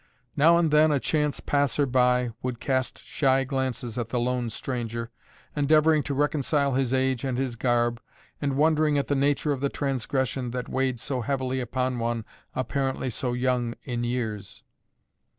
Now and then a chance passer by would cast shy glances at the lone stranger, endeavoring to reconcile his age and his garb, and wondering at the nature of the transgression that weighed so heavily upon one apparently so young in years.